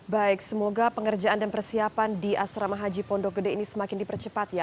baik semoga pengerjaan dan persiapan di asrama haji pondok gede ini semakin dipercepat ya